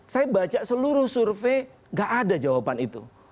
saya baca seluruh survei gak ada jawaban itu